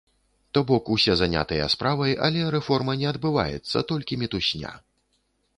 То бок усе занятыя справай, але рэформа не адбываецца, толькі мітусня!